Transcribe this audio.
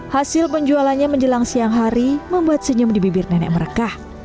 hasil penjualannya menjelang siang hari membuat senyum di bibir nenek mereka